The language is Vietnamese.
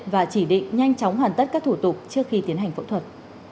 và chỉ định nhanh chóng hoàn tất các thủ tục trước khi tiến hành phẫu thuật